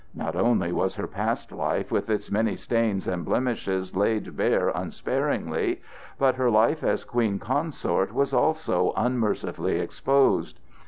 Not only was her past life with its many stains and blemishes laid bare unsparingly, but her life as queen consort was also unmercifully exposed.